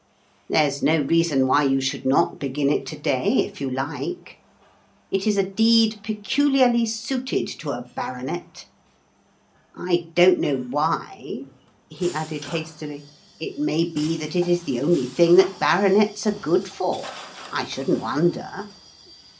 There's no reason why you should not begin it to day if you like. It is a deed peculiarly suited to a baronet. I don't know why,' he added hastily; 'it may be that it is the only thing that baronets are good for. I shouldn't wonder.